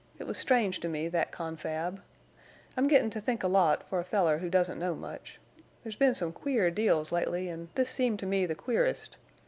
It was strange to me, thet confab. I'm gittin' to think a lot, fer a feller who doesn't know much. There's been some queer deals lately an' this seemed to me the queerest.